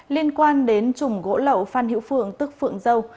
liên quan đến trùng gỗ lậu phan hiễu phương tức phượng dâu